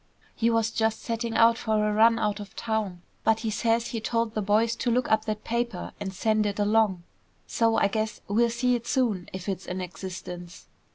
"He was just setting out for a run out of town, but he says he told the boys to look up that paper and send it along. So, I guess we'll see it soon, if it's in existence."